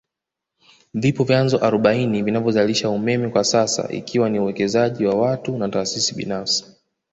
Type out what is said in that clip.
Vipo vyanzo arobaini vinavyozalisha umeme kwasasa ikiwa ni uwekezaji wa watu na taasisi binafsi